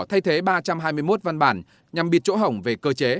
thay thế ba trăm hai mươi một văn bản nhằm bịt chỗ hỏng về cơ chế